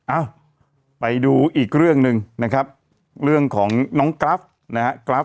เอ้าไปดูอีกเรื่องหนึ่งนะครับเรื่องของน้องกราฟนะครับ